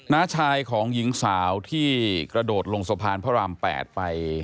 น้าชายของหญิงสาวที่กระโดดลงสะพานพระราม๘ไป